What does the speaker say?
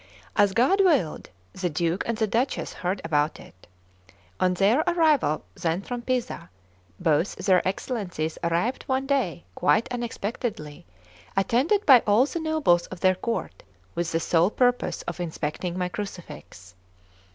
As God willed, the Duke and the Duchess heard about it. On their arrival then from Pisa, both their Excellencies arrived one day quite unexpectedly, attended by all the nobles of their court, with the sole purpose of inspecting my crucifix.